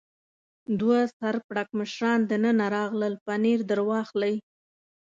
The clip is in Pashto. دوه سر پړکمشران دننه راغلل، پنیر در واخلئ.